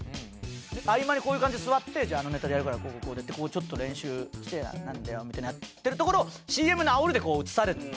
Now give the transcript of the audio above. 合間にこういう感じで座ってじゃああのネタでやるからこうこうこうでって練習してなんだよみたいのをやってるところＣＭのあおりで映されてたんですよ。